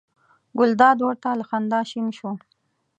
ګلداد ور ته له خندا شین شو.